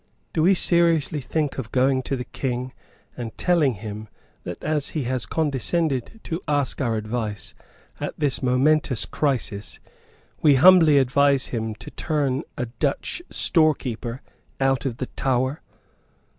"Do we seriously think of going to the King and telling him that, as he has condescended to ask our advice at this momentous crisis, we humbly advise him to turn a Dutch storekeeper out of the Tower?